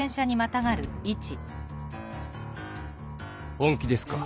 本気ですか？